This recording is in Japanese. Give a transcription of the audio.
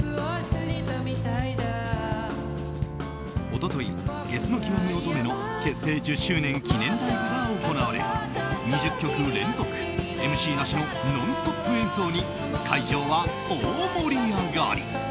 一昨日、ゲスの極み乙女の結成１０周年記念ライブが行われ２０曲連続、ＭＣなしのノンストップ演奏に会場は大盛り上がり。